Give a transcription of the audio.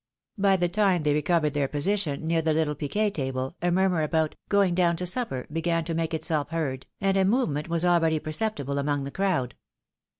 By the time they recovered their position near the little piquet table, a murmur about " going down to supper" began to make itself heard, and a movement was already perceptible among the crowd.